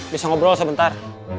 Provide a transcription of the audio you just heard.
bisa ngobrol sebentar